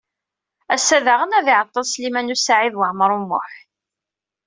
Ass-a daɣen ad iɛeṭṭel Sliman U Saɛid Waɛmaṛ U Muḥ.